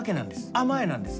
甘えなんです。